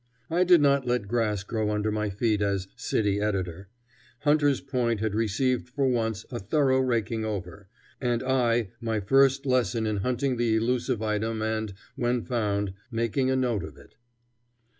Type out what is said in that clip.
I did not let grass grow under my feet as "city editor." Hunter's Point had received for once a thorough raking over, and I my first lesson in hunting the elusive item and, when found, making a note of it.